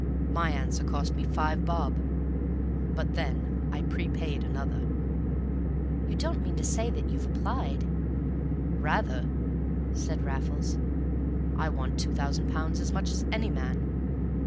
My answer cost me five bob; but then I prepaid another." "You don't mean to say that you've applied?" "Rather," said Raffles. "I want two thousand pounds as much as any man."